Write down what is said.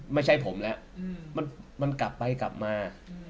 ไม่ใช่ผมแล้วมันกลับไปกลับมา